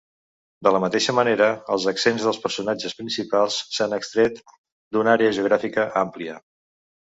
De la mateixa manera els accents dels personatges principals s'han extret d'una àrea geogràfica àmplia.